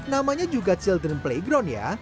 namanya juga children playground ya